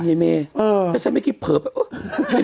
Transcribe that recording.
ถ้าไม่มองพอมนะ